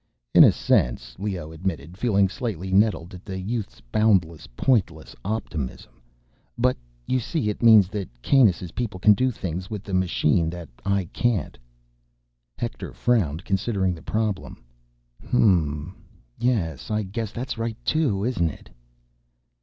"In a sense," Leoh admitted, feeling slightly nettled at the youth's boundless, pointless optimism. "But, you see, it means that Kanus' people can do things with the machine that I can't." Hector frowned, considering the problem. "Hm m m ... yes, I guess that's right, too, isn't it?"